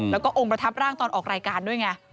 แล้วก็องค์ประทับร่างตอนออกรายการด้วยไง